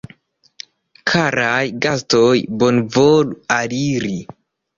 Karaj gastoj, bonvolu aliri!